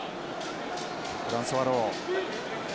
フランソワロウ。